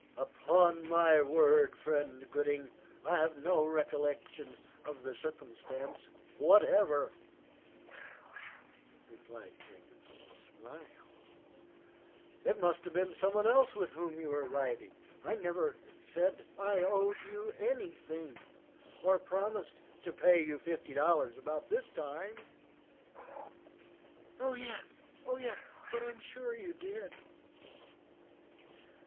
"Upon my word, friend Gooding, I have no recollection of the circumstance whatever," replied Jenkins with a smile. "It must have been some one else with whom you were riding. I never said I owed you any thing, or promised to pay you fifty dollars about this time." "Oh, yes! but I am sure you did."